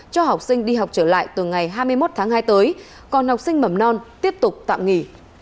cho học sinh đi học trở lại từ ngày hai mươi một tháng hai tới còn học sinh mầm non tiếp tục tạm nghỉ